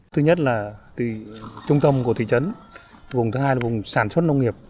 thứ nhất là từ trung tâm của thị trấn vùng thứ hai là vùng sản xuất nông nghiệp